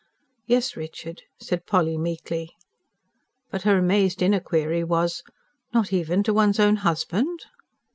"Yes, Richard," said Polly meekly. But her amazed inner query was: "Not even to one's own husband?"